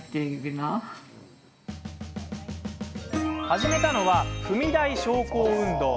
始めたのは、踏み台昇降運動。